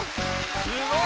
すごい！